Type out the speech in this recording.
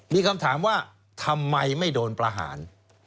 มีคำถามว่าทำไมไม่โดนประหาร